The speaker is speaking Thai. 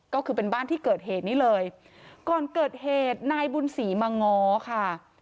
ก็คือเป็นบ้านที่เกิดเหตุนี้เลยก่อนเกิดเหตุนายบุญศรีมาง้อค่ะ